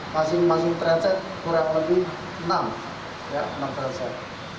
masih masih transit kurang lebih enam transit